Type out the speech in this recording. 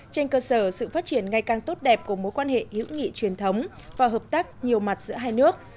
trên cơ sở sự phát triển ngày càng tốt đẹp của mối quan hệ hữu nghị truyền thống và hợp tác nhiều mặt giữa hai nước